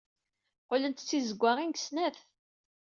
Qqlent d tizewwaɣin deg snat.